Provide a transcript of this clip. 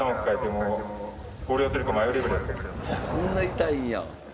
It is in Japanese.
そんな痛いんや。